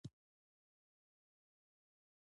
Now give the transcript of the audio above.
چپاتي په کورونو کې پخیږي.